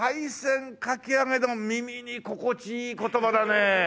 耳に心地いい言葉だね。